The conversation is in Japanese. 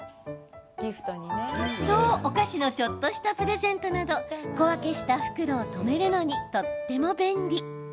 お菓子のちょっとしたプレゼントなど小分けした袋を留めるのにとっても便利。